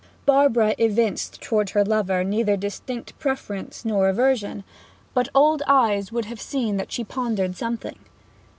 Barbara evinced towards her lover neither distinct preference nor aversion; but old eyes would have seen that she pondered something.